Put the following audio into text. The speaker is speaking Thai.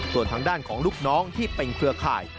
ส่วนทางด้านของลูกน้องที่เป็นเครือข่าย